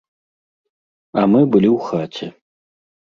А мы былі ў хаце.